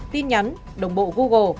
tin nhắn đồng bộ google